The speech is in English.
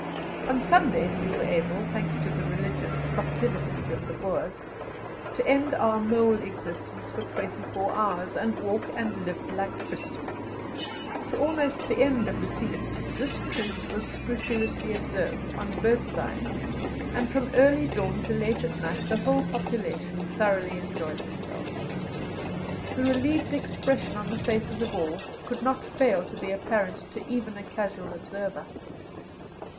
On Sundays we were able, thanks to the religious proclivities of the Boers, to end our mole existence for twenty four hours, and walk and live like Christians. To almost the end of the siege this truce was scrupulously observed on both sides, and from early dawn to late at night the whole population thoroughly enjoyed themselves. The relieved expression on the faces of all could not fail to be apparent to even a casual observer.